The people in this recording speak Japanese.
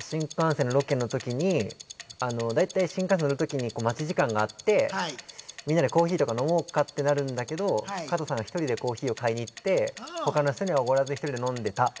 新幹線のロケの時にだいたい新幹線、乗るときに待ち時間があって、みんなでコーヒーとか飲もうかってなるだけど加藤さんが１人でコーヒーを買いに行って他の人にはおごらず、１人で飲んでいた。